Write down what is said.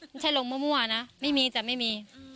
ไม่ใช่ลงมั่วนะไม่มีแต่ไม่มี